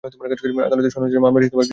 আদালতে শুনানির জন্য মামলাটি গৃহীত হয়েছিল।